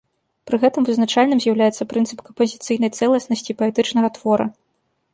Пры гэтым вызначальным з'яўляецца прынцып кампазіцыйнай цэласнасці паэтычнага твора.